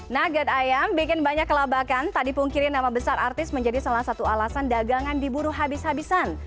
nugget ayam bikin banyak kelabakan tak dipungkiri nama besar artis menjadi salah satu alasan dagangan diburu habis habisan